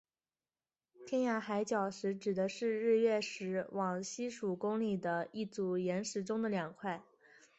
天涯海角石指的是日月石往西数公里的一组岩石中的两块。